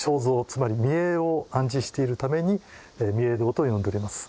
つまり御影を安置しているために「御影堂」と呼んでおります。